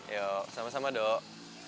yuk sama sama dok